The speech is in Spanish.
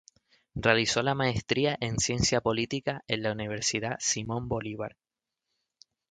Realizó la Maestría en Ciencia Política en la Universidad Simón Bolívar.